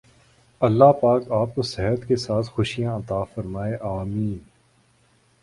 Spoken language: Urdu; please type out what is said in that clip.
اللہ پاک آپ کو صحت کے ساتھ خوشیاں عطا فرمائے آمین